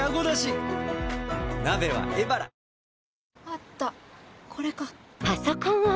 あったこれか。